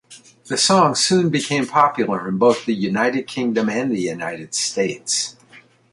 The song soon became popular in both the United Kingdom and the United States.